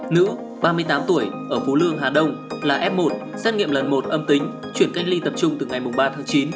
nữ ba mươi tám tuổi ở phú lương hà đông là f một xét nghiệm lần một âm tính chuyển cách ly tập trung từ ngày ba tháng chín